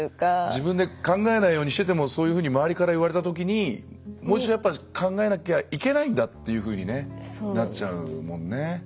自分で考えないようにしててもそういうふうに周りから言われたときにもう一度考えなきゃいけないんだっていうふうになっちゃうもんね。